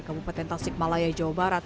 kabupaten tasik malaya jawa barat